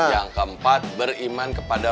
yang keempat beriman kepada